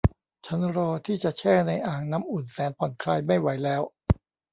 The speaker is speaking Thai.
ฉันรอที่จะแช่ในอ่างน้ำอุ่นแสนผ่อนคลายไม่ไหวแล้ว